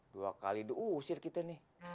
dua kali dua usir kita nih